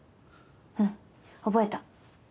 うん覚えた。